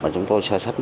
chúng tôi sẽ xác định